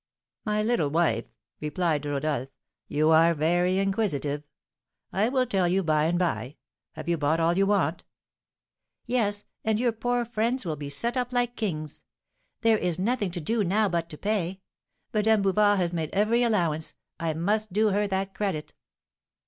"My little wife," replied Rodolph, "you are very inquisitive; I will tell you by and by. Have you bought all you want?" "Yes; and your poor friends will be set up like kings. There is nothing to do now but to pay; Madame Bouvard has made every allowance, I must do her that credit."